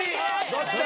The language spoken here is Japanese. どっちだ？